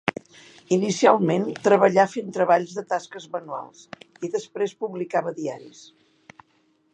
Inicialment treballà fent treballs de tasques manuals i després publicava diaris.